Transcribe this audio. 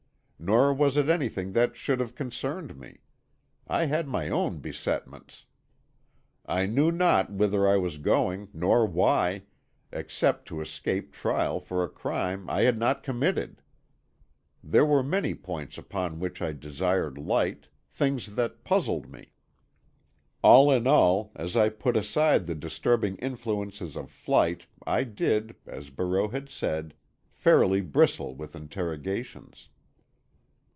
Nor was it anything that should have concerned me. I had my own besetments. I knew not whither I was going, nor why—except to escape trial for a crime I had not committed. There were many points upon which I desired light, things that puzzled me. All in all, as I put aside the disturbing influences of flight I did, as Barreau had said, fairly bristle with interrogations.